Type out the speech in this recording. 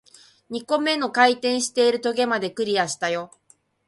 二個目の回転している棘まで、クリアしたよ